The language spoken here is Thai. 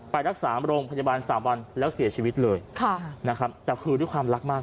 ไปรักษาโรงพยาบาล๓วันแล้วเสียชีวิตเลยแต่คือด้วยความรักมาก